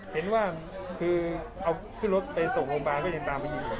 เห็นว่าคือเอาขึ้นรถไปส่งโรงพยาบาลก็ยังตามไม่ยิงเลย